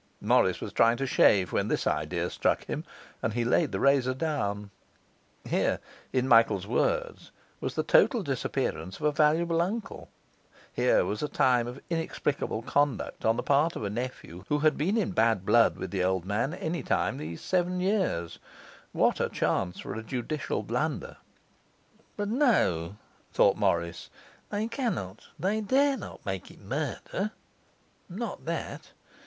Morris was trying to shave when this idea struck him, and he laid the razor down. Here (in Michael's words) was the total disappearance of a valuable uncle; here was a time of inexplicable conduct on the part of a nephew who had been in bad blood with the old man any time these seven years; what a chance for a judicial blunder! 'But no,' thought Morris, 'they cannot, they dare not, make it murder. Not that.